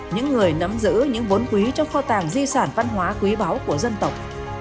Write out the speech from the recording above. những người nắm giữ những vốn quý trong kho tàng di sản văn hóa quý báu của dân tộc